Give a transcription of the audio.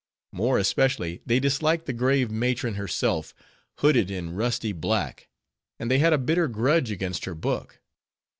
More especially they disliked the grave matron herself; hooded in rusty black; and they had a bitter grudge against her book.